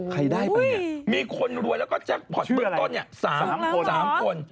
ใครได้ป่ะเนี่ยมีคนรวยแล้วก็แจ็คพอร์ตเป็นต้นเนี่ย๓คน